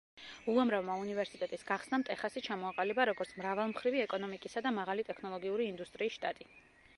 უამრავმა უნივერსიტეტის გახსნამ ტეხასი ჩამოაყალიბა როგორც მრავალმხრივი ეკონომიკისა და მაღალი ტექნოლოგიური ინდუსტრიის შტატი.